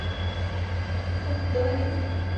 তোমার ক্ষুধা লাগেনি?